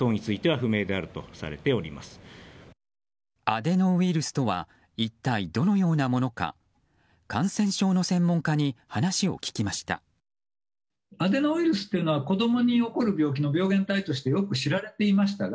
アデノウイルスとは一体どのようなものか感染症の専門家に話を聞きました。